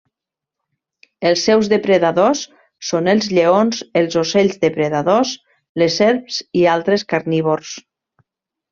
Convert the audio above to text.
Els seus depredadors són els lleons, els ocells depredadors, les serps i altres carnívors.